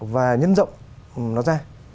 và nhân rộng nó ra